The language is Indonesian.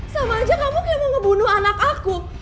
sama aja kamu kayak mau ngebunuh anak aku